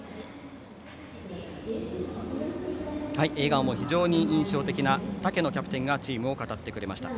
笑顔も非常に印象的な竹野キャプテンがチームを語ってくれました。